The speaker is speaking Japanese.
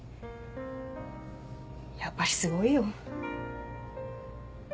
やっぱりすごいよ。